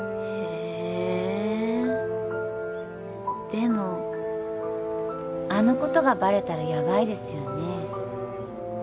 でもあのことがバレたらヤバいですよね？